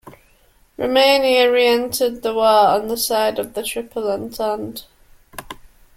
Romania re-entered the war on the side of the Triple Entente.